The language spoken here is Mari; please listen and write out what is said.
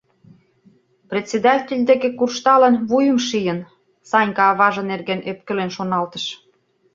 «Председатель деке куржталын, вуйым шийын, — Санька аваже нерген ӧпкелен шоналтыш.